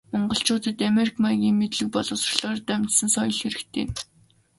Монголчуудад америк маягийн мэдлэг боловсролоор дамжсан соёл хэрэгтэй.